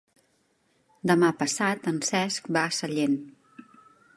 Demà passat en Cesc va a Sellent.